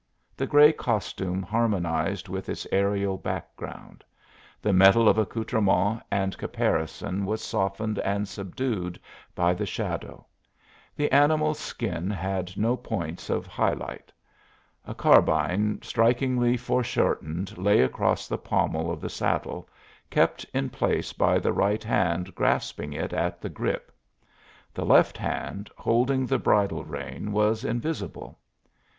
The gray costume harmonized with its aërial background; the metal of accoutrement and caparison was softened and subdued by the shadow; the animal's skin had no points of high light. A carbine strikingly foreshortened lay across the pommel of the saddle, kept in place by the right hand grasping it at the "grip"; the left hand, holding the bridle rein, was invisible.